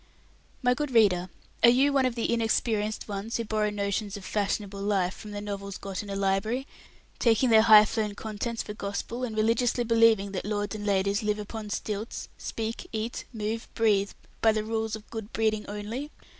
My good reader, are you one of the inexperienced ones who borrow notions of "fashionable life" from the novels got in a library, taking their high flown contents for gospel, and religiously believing that lords and ladies live upon stilts, speak, eat, move, breathe, by the rules of good breeding only?